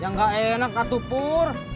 ya nggak enak kak tupur